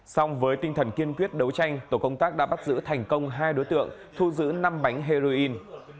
xong với tinh thần kiên quyết đấu tranh tổ công tác đã bắt giữ thành công hai đối tượng thu giữ năm bánh heroin